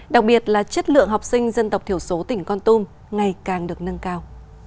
đặc biệt là chất lượng học sinh dân tộc thiểu số tỉnh con tum ngày càng được nâng cao